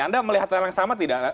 anda melihatnya sama tidak